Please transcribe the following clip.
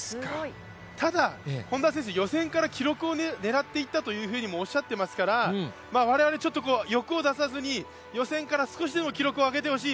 ただ、本多選手、予選から記録を狙っていったとおっしゃっていますから我々、欲を出さずに予選から少しでも記録を上げてほしい